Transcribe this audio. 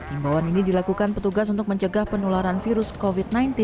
imbauan ini dilakukan petugas untuk mencegah penularan virus covid sembilan belas